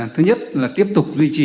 thứ nhất là tiếp tục duy trì